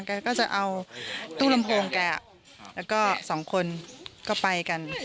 แกก็จะเอาตู้ลำโพงแกแล้วก็สองคนก็ไปกัน